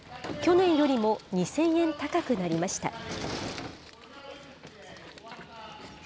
去年よりも２０００円高くなりました。